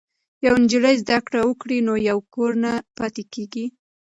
که یوه نجلۍ زده کړه وکړي نو یو کور نه پاتې کیږي.